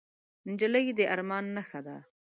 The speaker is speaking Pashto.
نجلۍ د ارمان نښه ده.